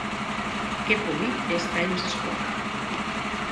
Que polit és Times Square